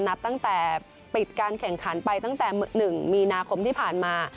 นับตั้งแต่ปิดการแข่งขันไปตั้งแต่๑มีนาคมที่ผ่านมา